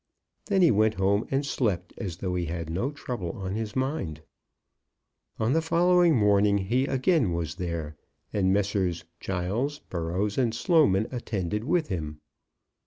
Then he went home, and slept as though he had no trouble on his mind. On the following morning he again was there, and Messrs. Giles, Burrows, and Sloman attended with him.